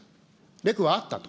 レクはあったと。